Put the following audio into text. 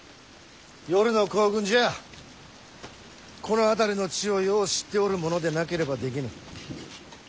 夜の行軍じゃこの辺りの地をよう知っておる者でなければできぬ。